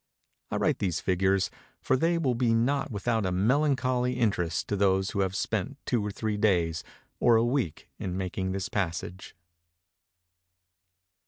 I write these figures, for they will be not without a melancholy interest to those who have spent two or three days or a week in making this passage.